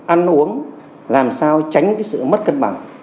ăn uống làm sao tránh sự mất cân bằng